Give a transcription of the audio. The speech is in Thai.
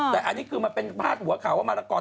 แต่อันนี้คือมันเป็นพาดหัวข่าวว่ามาละกร